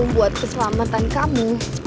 buat keselamatan kamu